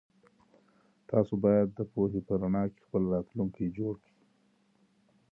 تاسو بايد د پوهي په رڼا کي خپل راتلونکی جوړ کړئ.